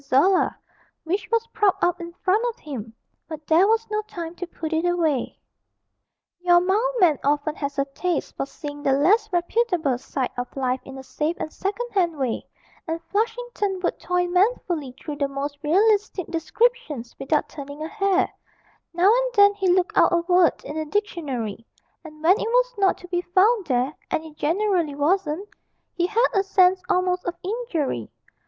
Zola, which was propped up in front of him, but there was no time to put it away. Your mild man often has a taste for seeing the less reputable side of life in a safe and second hand way, and Flushington would toil manfully through the most realistic descriptions without turning a hair; now and then he looked out a word in the dictionary, and when it was not to be found there and it generally wasn't he had a sense almost of injury.